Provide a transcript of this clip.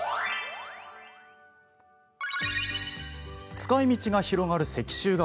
使いみちが広がる石州瓦。